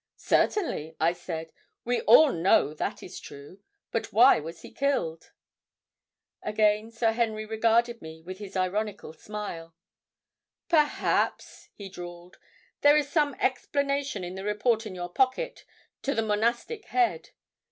"Certainly," I said. "We all know that is true. But why was he killed?" Again Sir Henry regarded me with his ironical smile. "Perhaps," he drawled, "there is some explanation in the report in your pocket, to the Monastic Head.